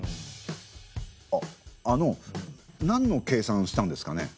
あっあのなんの計算をしたんですかね？